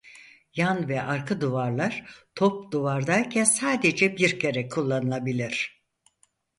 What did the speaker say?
Yan ve arka duvarlar top duvardayken sadece bir kere kullanılabilir.